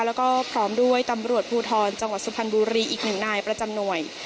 แล้วก็พร้อมด้วยตำรวจภูทรจังหวัดสุพรรณบุรีอีกหนึ่งนายประจำหน่วย